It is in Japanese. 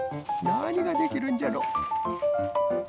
なにができるんじゃろ？